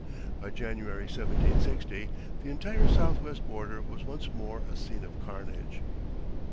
By January (1760) the entire southwest border was once more a scene of carnage.